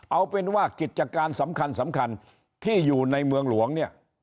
เอาเป็นว่ากิจการสำคัญที่อยู่ในเมืองหลวงเนี่ย